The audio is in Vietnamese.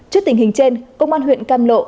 trước tình hình trên công an huyện cam lộ